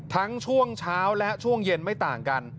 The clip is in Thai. ช่วงเช้าและช่วงเย็นไม่ต่างกัน